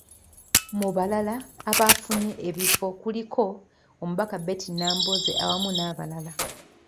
Mu balala abafunye ebifo kuliko; omubaka Betty Nambooze awamu n’abalala.